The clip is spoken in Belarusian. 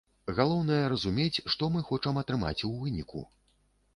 Галоўнае разумець, што мы хочам атрымаць у выніку.